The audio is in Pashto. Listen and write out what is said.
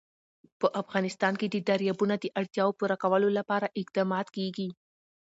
په افغانستان کې د دریابونه د اړتیاوو پوره کولو لپاره اقدامات کېږي.